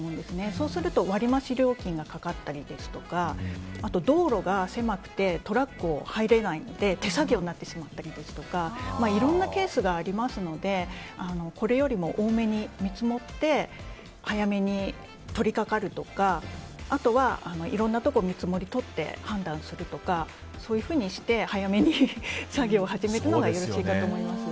そうすると割増料金がかかったりですとか道路が狭くてトラックが入れないので手作業になってしまったりいろんなケースがありますのでこれよりも多めに見積もって早めに取り掛かるとかあとは、いろんなところで見積もりを取って判断するとかして早めに作業を始めるのがよろしいかと思います。